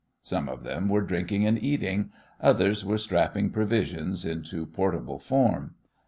Some of them were drinking and eating; others were strapping provisions into portable form.